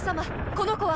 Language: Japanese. この子は。